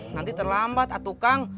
nanti terlambat atuh kang